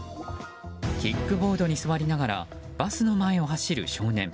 キックボードに座りながらバスの前を走る少年。